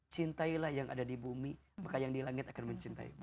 cintailah yang ada di bumi maka yang di langit akan mencintaimu